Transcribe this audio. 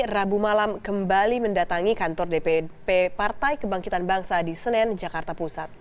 rabu malam kembali mendatangi kantor dpp partai kebangkitan bangsa di senen jakarta pusat